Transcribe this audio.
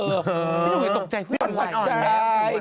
เขาไม่ตกใจพี่เป็นหวัดอ่อน